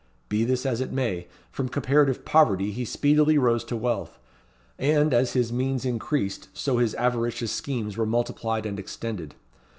Be this as it may, from comparative poverty he speedily rose to wealth; and, as his means increased, so his avaricious schemes were multiplied and extended.